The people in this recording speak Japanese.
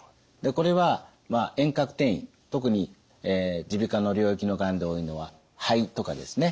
これは遠隔転移特に耳鼻科の領域のがんで多いのは肺とかですね。